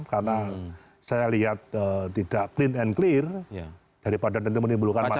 karena saya lihat tidak clean and clear daripada tentu menimbulkan masalah baru